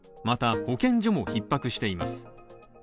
また、保健所もひっ迫しています。